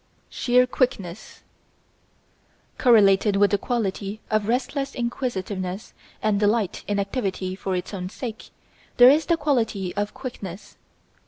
Sheer Quickness Correlated with the quality of restless inquisitiveness and delight in activity for its own sake there is the quality of quickness.